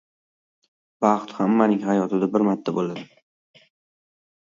• Baxt hammaning hayotida bir marta bo‘ladi.